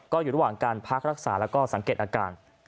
ก็อยู่ระหว่างการพักรักษาแล้วก็สังเกตอาการ